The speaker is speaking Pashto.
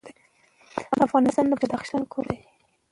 افغانستان د بدخشان کوربه دی.